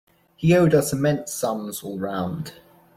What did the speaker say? He owed us immense sums all round.